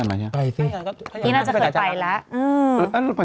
เสียดายอะ